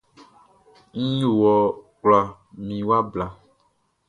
Nʼyo wɔ kula mi wa bla.